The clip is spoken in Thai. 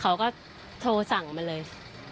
เขาก็โทรสั่งมาเลย